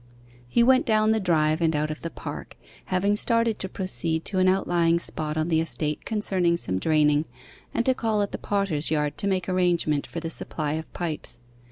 He went down the drive and out of the park, having started to proceed to an outlying spot on the estate concerning some draining, and to call at the potter's yard to make an arrangement for the supply of pipes.